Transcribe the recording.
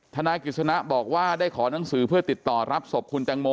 นายกิจสนะบอกว่าได้ขอหนังสือเพื่อติดต่อรับศพคุณแตงโม